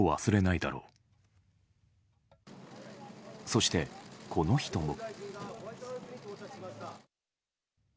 そして、この人も。